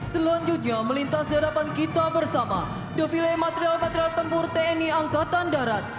selanjutnya melintas di hadapan kita bersama defile material material tempur tni angkatan darat